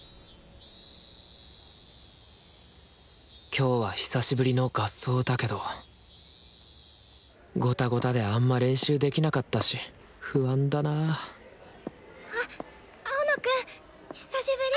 今日は久しぶりの合奏だけどゴタゴタであんま練習できなかったし不安だなあっ青野くん久しぶり。